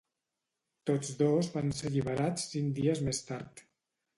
Tots dos van ser alliberats cinc dies més tard.